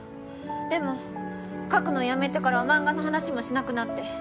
でも描くのやめてからは漫画の話もしなくなって。